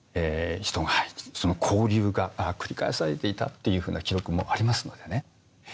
人が入ってその交流が繰り返されていたというふうな記録もありますのでね